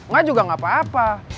enggak juga gak apa apa